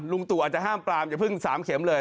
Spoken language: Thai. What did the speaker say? ลุงตู่อาจจะห้ามปลามจะพึ่งสามเข็มเลย